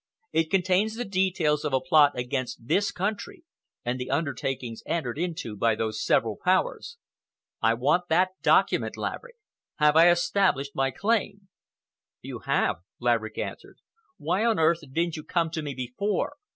It contains the details of a plot against this country and the undertakings entered into by those several Powers. I want that document, Laverick. Have I established my claim?" "You have," Laverick answered. "Why on earth Didn't you come to me before?